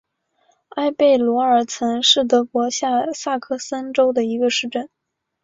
埃贝罗尔岑是德国下萨克森州的一个市镇。